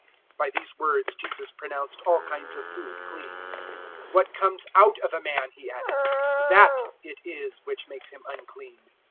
By these words Jesus pronounced all kinds of food clean. 007:020 "What comes out of a man," He added, "that it is which makes him unclean.